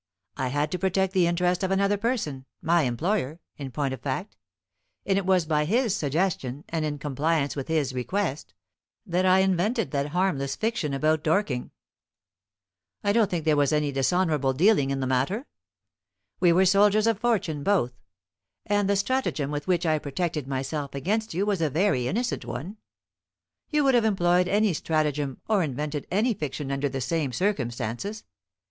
I had to protect the interest of another person my employer, in point of fact; and it was by his suggestion, and in compliance with his request, that I invented that harmless fiction about Dorking. I don't think there was any dishonourable dealing in the matter. We were soldiers of fortune both; and the stratagem with which I protected myself against you was a very innocent one. You would have employed any stratagem or invented any fiction under the same circumstances.